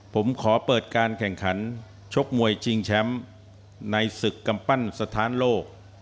ผมขอเปิดการแข่งขันชกมวยชิงแชมป์ในศึกกำปั้นสถานโลก